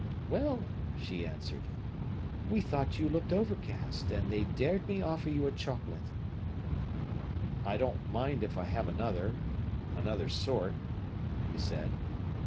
"Well," she answered, "we thought you looked overcast, and they dared me offer you a chocolate." "I don't mind if I have another—another sort," he said.